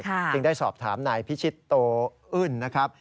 จึงได้สอบถามนายพิชิตโตอึ้นนะครับ